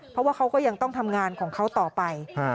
เพราะว่าเขาก็ยังต้องทำงานของเขาต่อไป